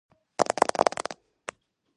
გადაღებულია სამ ფილმში.